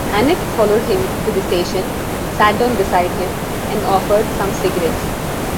Annett followed him to the station, sat down beside him, and offered some cigarettes.